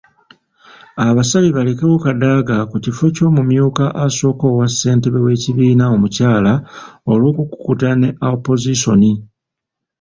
Abasabye balekewo Kadaga ku kifo ky’omumyuka asooka owa ssentebe w’ekibiina omukyala olw'okukuta ne Opozisoni.